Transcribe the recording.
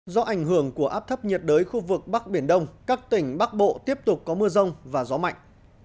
do ảnh hưởng của áp thấp nhiệt đới khu vực bắc biển đông các tỉnh bắc bộ tiếp tục có mưa rông và gió mạnh